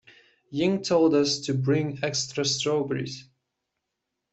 Ying told us to bring extra strawberries.